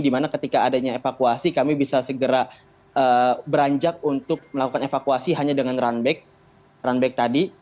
dimana ketika adanya evakuasi kami bisa segera beranjak untuk melakukan evakuasi hanya dengan runback runback tadi